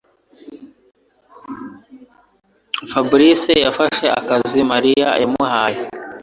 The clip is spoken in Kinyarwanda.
fabrice yafashe akazi Mariya yamuhaye.